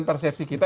ini persepsi kita